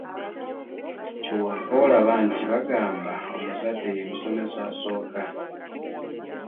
Kyova olaba nti bagamba omuzadde ye musomesa asooka.